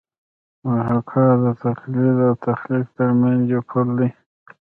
محاکات د تقلید او تخلیق ترمنځ یو پل دی